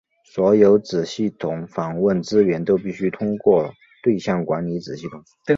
所有子系统访问资源都必须通过对象管理子系统。